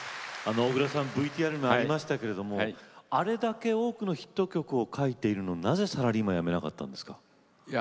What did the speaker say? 小椋さん、ＶＴＲにもありましたけど、あれだけ多くのヒット曲を書いているのになぜサラリーマンを辞めなかったんですか？